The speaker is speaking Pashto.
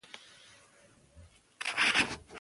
هغه وویل چې سپک خواړه د کالورۍ ترلاسه کولو مهمه برخه ده.